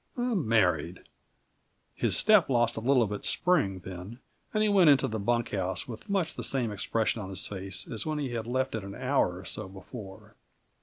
I'm married!" His step lost a little of its spring, then, and he went into the bunk house with much the same expression on his face as when he had left it an hour or so before.